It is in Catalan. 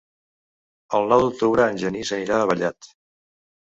El nou d'octubre en Genís anirà a Vallat.